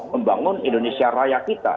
membangun indonesia raya kita